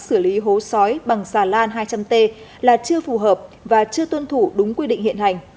xử lý hố sói bằng xà lan hai trăm linh t là chưa phù hợp và chưa tuân thủ đúng quy định hiện hành